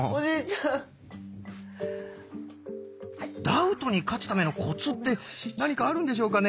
ダウトに勝つためのコツって何かあるんでしょうかね？